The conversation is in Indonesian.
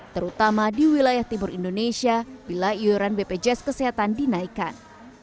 terutama di wilayah timur indonesia bila iuran bpjs kesehatan dinaikkan